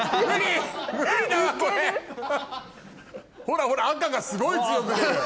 ほらほら赤がすごい強く出る。